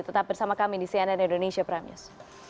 tetap bersama kami di cnn indonesia prime news